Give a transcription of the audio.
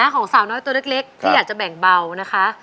ของสาวน้อยตัวเล็กที่อยากจะแบ่งเบานะคะ